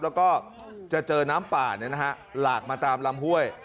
แล้วก็จะเจอน้ำป่าหลากมาตามลำห้วย